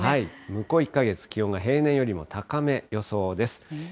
向こう１か月、気温が平年よりも高め、予想です。